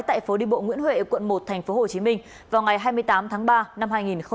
tại phố đi bộ nguyễn huệ quận một tp hcm vào ngày hai mươi tám tháng ba năm hai nghìn hai mươi